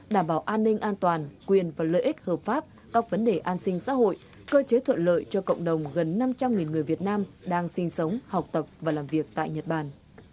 đảm bảo an ninh an toàn quyền và lợi ích hợp pháp các vấn đề an sinh xã hội cơ chế thuận lợi cho cộng đồng gần năm trăm linh người việt nam đang sinh sống học tập và làm việc tại nhật bản